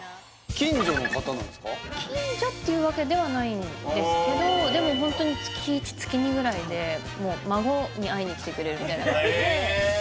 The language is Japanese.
近所っていうわけではないんですけどでもホントに月１月２ぐらいで孫に会いに来てくれるみたいなへえ